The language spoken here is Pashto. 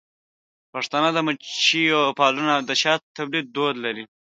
پښتانه د مچیو پالنه او د شاتو د تولید دود لري.